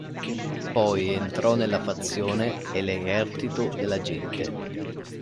Poi entrò nella fazione "El Ejército de la Gente".